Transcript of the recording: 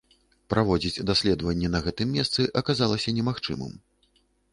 Праводзіць даследаванні на гэтым месцы аказалася немагчымым.